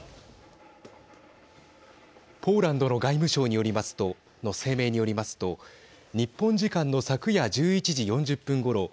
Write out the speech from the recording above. ポーランドの外務省の声明によりますと日本時間の昨夜１１時４０分ごろ